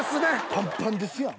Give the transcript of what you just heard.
パンパンですやん。